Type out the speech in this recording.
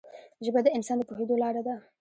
ژبه د انسان د پوهېدو لاره ده